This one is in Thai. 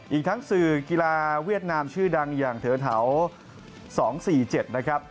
อีกทั้งสื่อกีฬาเวียดนามชื่อดังอย่างแถว๒๔๗นะครับ